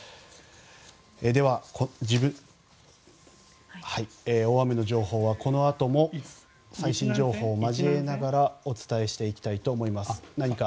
では、大雨の情報はこのあとも最新情報を交えながらお伝えしていきたいと思います。